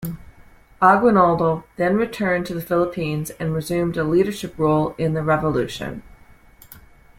Aguinaldo then returned to the Philippines, and resumed a leadership role in the revolution.